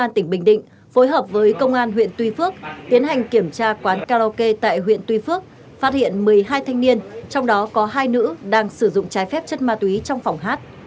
tuy nhiên phối hợp với công an huyện tuy phước tiến hành kiểm tra quán karaoke tại huyện tuy phước phát hiện một mươi hai thanh niên trong đó có hai nữ đang sử dụng trái phép chất ma túy trong phòng hát